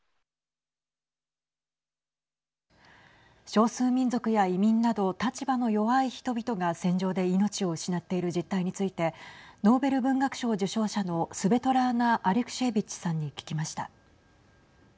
少数民族や移民など立場の弱い人々が戦場で命を失っている実態についてノーベル文学賞受賞者のスベトラーナ・アレクシェービッチさんに聞きました。